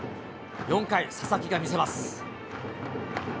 ４回、佐々木が見せます。